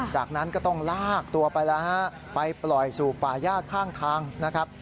จากนั้นก็ต้องลากตัวไปแล้วฮะไปปล่อยสู่ป่าย่าข้างทางนะครับ